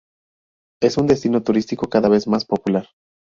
Es un destino turístico cada vez más popular.